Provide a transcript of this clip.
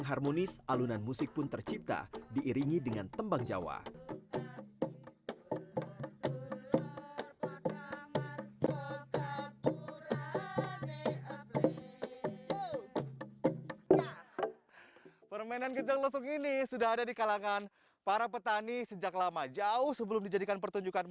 sampai jumpa di video selanjutnya